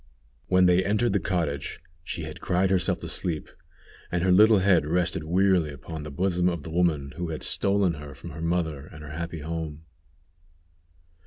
When they entered the cottage she had cried herself to sleep, and her little head rested wearily upon the bosom of the woman who had stolen her from her mother and her happy home.